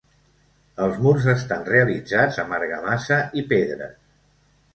Els murs estan realitzats amb argamassa i pedres.